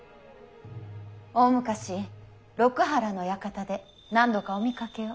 大昔六波羅の館で何度かお見かけを。